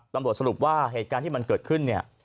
สรุปว่าเหตุการณ์ที่มันเกิดขึ้นเนี่ย